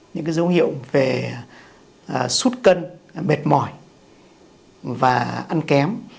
những dấu hiệu về sút cân mệt mỏi và ăn kém